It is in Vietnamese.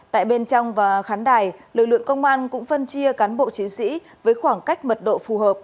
tại bên trong và khán đài lực lượng công an cũng phân chia cán bộ chiến sĩ với khoảng cách mật độ phù hợp